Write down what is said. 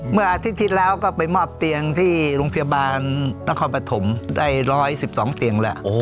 เมื่ออาทิตย์ที่แล้วก็ไปหมอบเตียงที่โรงพยาบาลนักความประถมได้ร้อยสิบสองเตียงแหละอ๋อ